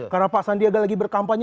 karena pak sandiaga lagi berkampanye